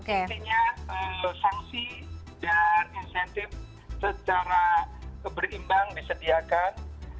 intinya sanksi dan insentif secara berimbang disediakan